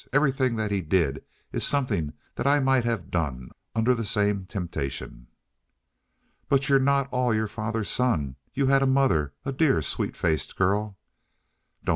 Everything that he did is something that I might have done under the same temptation." "But you're not all your father's son. You had a mother. A dear, sweet faced girl " "Don't!"